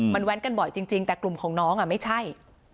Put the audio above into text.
มันแว้นกันบ่อยจริงแต่กลุ่มของน้องไม่ใช่